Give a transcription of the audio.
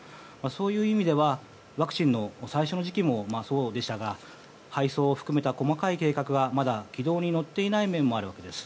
そういう意味ではワクチンの最初の時期もそうでしたが配送を含めた細かい計画はまだ軌道に乗っていない面もある。